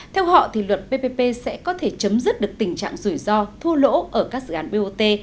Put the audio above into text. theo họ luật ppp sẽ có thể chấm dứt được tình trạng rủi ro thu lỗ ở các dự án bot